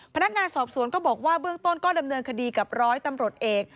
พนักงานสอบสวนก็บอกว่าเบื้องต้นก็ดำเนินคดีกับร้อยตำรวจเอก